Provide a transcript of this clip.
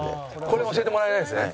これは教えてもらえないんですね。